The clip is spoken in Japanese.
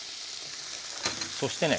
そしてね